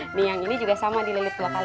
ini yang ini juga sama dililit dua kali